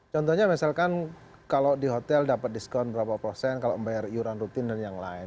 contohnya misalkan kalau di hotel dapat diskon berapa persen kalau membayar iuran rutin dan yang lain